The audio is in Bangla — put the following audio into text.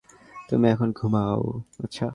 তুমি এখন ঘুমোও।